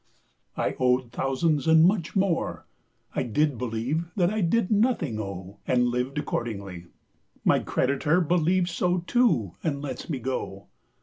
I owed thousands and much more : I did beleeve that I did nothing owe, And liv'd accordingly; my creditor 15 Beleeves so too, and lets me go.